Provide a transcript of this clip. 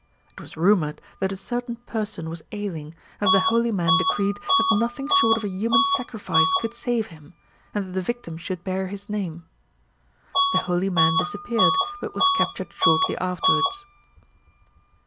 It was rumoured that a certain person was ailing, and that the holy man decreed that nothing short of a human sacrifice could save him, and that the victim should bear his name. The holy man disappeared, but was captured shortly afterwards.